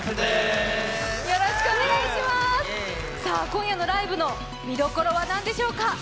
今夜のライブの見どころは何でしょうか？